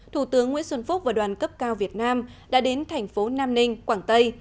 thủ tướng nguyễn xuân phúc và đoàn cấp cao việt nam đã đến thành phố nam ninh quảng tây